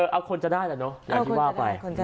เอาคนจะได้แหละเนอะอย่างที่ว่าไป